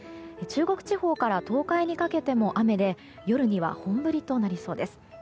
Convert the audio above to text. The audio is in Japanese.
中国地方から東海にかけても雨で夜には本降りとなりそうです。